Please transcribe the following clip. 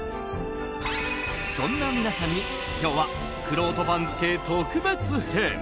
そんな皆さんに今日はくろうと番付特別編！